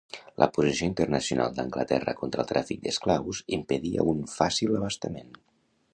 La posició internacional d'Anglaterra contra el tràfic d'esclaus impedia un fàcil abastament.